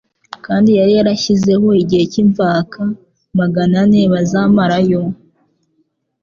kandi yari yarashyizeho igihe cy'imvaka magana ane bazamara yo.